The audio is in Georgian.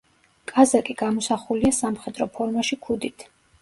კაზაკი გამოსახულია სამხედრო ფორმაში ქუდით.